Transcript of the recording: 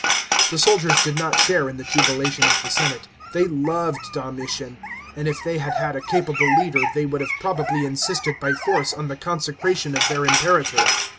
The soldiers did not share in the jubilation of the senate ; they loved Domitian, and if they had had a capable leader they would have probably insisted by force on the consecration of then: imperator.